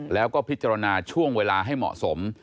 แล้วก็พิจารณาช่วงเวลาให้เหมาะสม